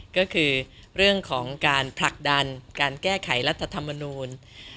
ก็คือเรื่องของการผลักดันการแก้ไขรัฐธรรมนูล